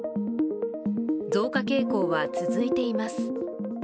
増加傾向は続いています。